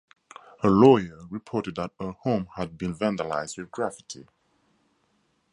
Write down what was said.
Her lawyer reported that her home had been vandalised with graffiti.